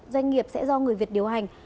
doanh nghiệp sẽ do người việt điều hành